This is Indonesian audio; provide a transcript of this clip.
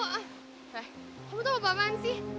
kamu tuh apaan sih